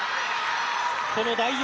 この第４